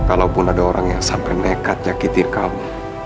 kalaupun ada orang yang sampai nekat jakitir kamu